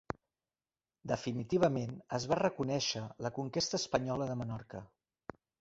Definitivament es va reconèixer la conquesta espanyola de Menorca.